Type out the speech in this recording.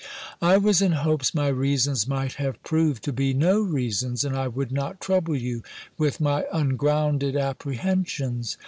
"I was in hopes my reasons might have proved to be no reasons; and I would not trouble you with my ungrounded apprehensions.